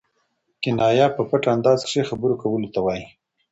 کنایه په پټ انداز کښي خبرو کولو ته وايي.